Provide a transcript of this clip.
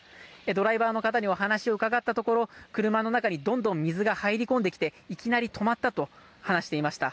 ドライバーの方にお話を伺ったところ、車の中にどんどん水が入り込んできていきなり止まったと話していました。